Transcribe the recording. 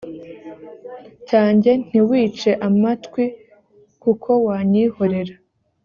cyanjye ntiwice amatwi kuko wanyihorera